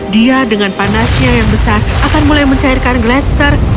dia dengan panasnya yang besar akan mulai mencairkan gletser